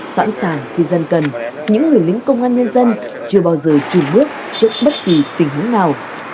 sẵn sàng khi dân cần những người lính công an nhân dân chưa bao giờ trùn bước trước bất kỳ tình huống nào